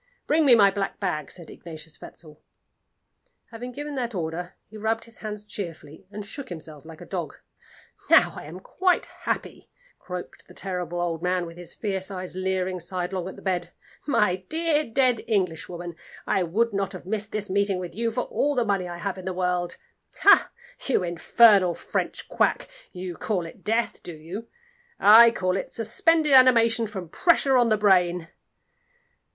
"Bring me my black bag," said Ignatius Wetzel. Having given that order, he rubbed his hands cheerfully, and shook himself like a dog. "Now I am quite happy," croaked the terrible old man, with his fierce eyes leering sidelong at the bed. "My dear, dead Englishwoman, I would not have missed this meeting with you for all the money I have in the world. Ha! you infernal French Quack, you call it death, do you? I call it suspended animation from pressure on the brain!"